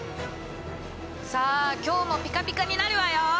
さあ今日もピカピカになるわよ！